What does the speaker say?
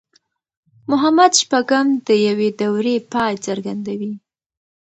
محمد شپږم د يوې دورې پای څرګندوي.